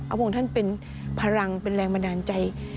พระองค์ท่านเป็นพลังเป็นแรงบันดาลใจ